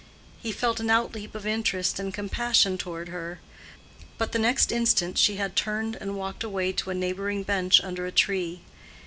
He felt an outleap of interest and compassion toward her; but the next instant she had turned and walked away to a neighboring bench under a tree.